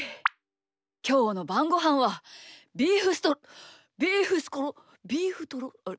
きょうのばんごはんはビーフストロビーフスコロビーフトロあれ？